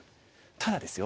ただですよ